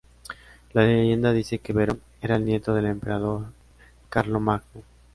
La leyenda dice que Verón era el nieto del emperador Carlomagno.